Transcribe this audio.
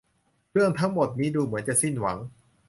เรื่องทั้งหมดนี่ดูเหมือนจะสิ้นหวัง